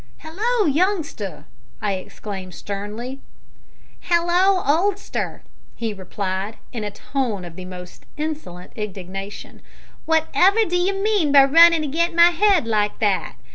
"Hallo, youngster!" I exclaimed sternly. "Hallo, oldster!" he replied, in a tone of the most insolent indignation, "wot ever do you mean by runnin' agin my 'ead like that?